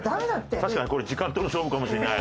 確かにこれ時間との勝負かもしれない。